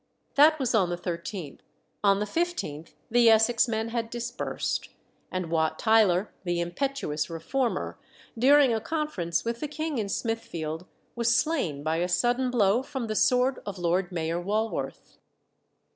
That was on the 13th; on the 15th, the Essex men had dispersed; and Wat Tyler, the impetuous reformer, during a conference with the king in Smithfield, was slain by a sudden blow from the sword of Lord Mayor Walworth.